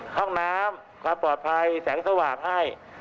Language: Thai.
ห้องน้ำความปลอดภัยแสงสว่างให้